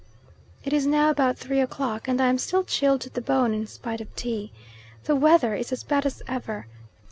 It is now about three o'clock and I am still chilled to the bone in spite of tea. The weather is as bad as ever.